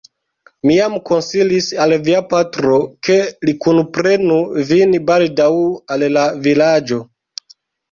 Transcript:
Mi jam konsilis al via patro, ke li kunprenu vin baldaŭ al la Vilaĝo.